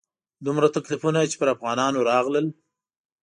دومره تکلیفونه چې پر افغانانو راغلل.